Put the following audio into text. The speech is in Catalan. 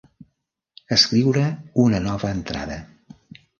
Escriure una nova entrada.